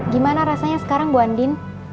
gimana rasanya sekarang bu andin